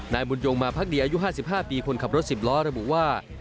นายบุญยงมาพักดีอายุ๕๕ปีคนขับรถ๑๐ล้อระบุว่า